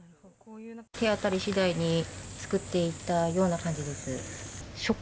手当たりしだいにすくっていったような感じです。